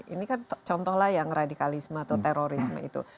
ini kan contohlah yang radikalisme atau terorisme itu